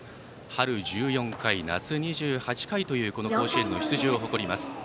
春１４回、夏２８回という甲子園の出場を誇ります。